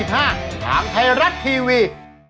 ทางไทยรัฐทีวี